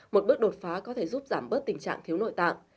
một bước đột phá có thể giúp giảm bớt tình trạng thiếu nội tạng